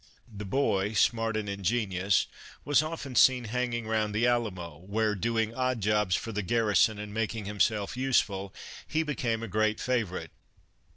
The boy, smart and ingenious, was often seen hanging round the Alamo, where doing odd jobs for the garrison and making himself useful, he became a great favorite.